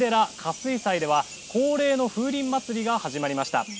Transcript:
睡斎では恒例の風鈴まつりが始まりました。